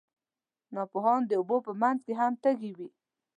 ناپوهان د اوبو په منځ کې هم تږي وي.